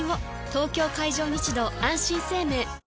東京海上日動あんしん生命